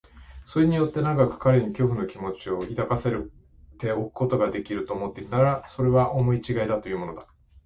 それによって長く彼に恐怖の気持を抱かせておくことができる、と思っているのなら、それは思いちがいというものだ。